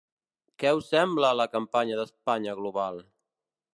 Què us sembla la campanya d’Espanya global?